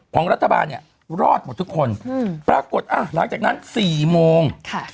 ของรัฐบาลเนี่ยรอดหมดทุกคนปรากฏหลังจากนั้น๔โมง